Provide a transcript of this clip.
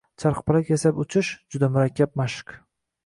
Charxpalak yasab uchish — juda murakkab mashq.